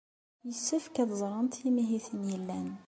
Yessefk ad ẓrent imihiten yellan.